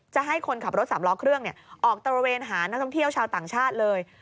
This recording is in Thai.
จะให้คนขับรถสามล้อเครื่องออกตระเวนหานักท่องเที่ยวชาวต่างชาติเลย